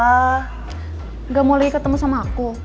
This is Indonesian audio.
enggak mau lagi ketemu sama aku